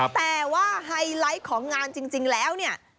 แต่ว่าไฮไลท์ของงานจริงแล้วเนี่ย